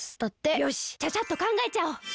よしちゃちゃっとかんがえちゃおう。